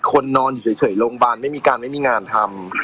คนนอนอยู่เฉยโรงพยาบาลไม่มีการไม่มีงานทำ